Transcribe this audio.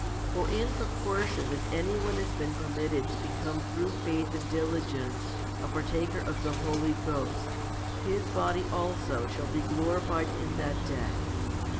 For in proportion as any one has been permitted to become through faith and diligence a partaker of the Holy Ghost, his body also shall be glorified in that day.